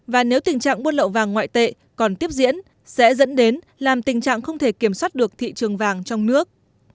và nếu tình trạng buôn lậu vàng ngoại tệ còn tiếp diễn sẽ dẫn đến làm tình trạng không thể kiểm soát được thị trường vàng trong nước